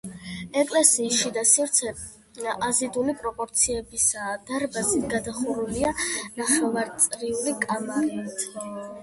ეკლესიის შიდა სივრცე აზიდული პროპორციებისაა, დარბაზი გადახურულია ნახევარწრიული კამარით.